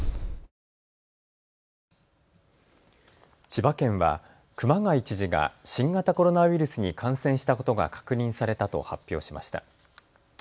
千葉県は熊谷知事が新型コロナウイルスに感染したことが確認されたと発表しました。